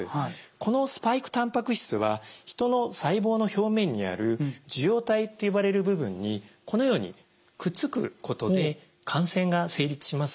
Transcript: このスパイクたんぱく質は人の細胞の表面にある受容体と呼ばれる部分にこのようにくっつくことで感染が成立します。